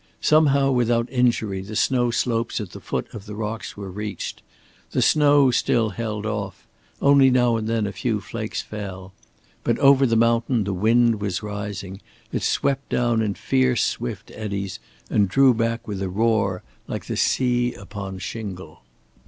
Somehow without injury the snow slopes at the foot of the rocks were reached. The snow still held off; only now and then a few flakes fell. But over the mountain the wind was rising, it swept down in fierce swift eddies, and drew back with a roar like the sea upon shingle.